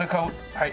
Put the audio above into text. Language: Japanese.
はい。